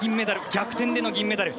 逆転での銀メダル。